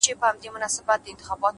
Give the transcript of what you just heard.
نیک عمل د خلکو په زړونو کې پاتې کېږي!.